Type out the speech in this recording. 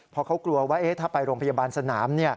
เพราะเขากลัวว่าถ้าไปโรงพยาบาลสนาม